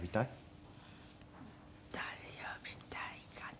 誰呼びたいかな？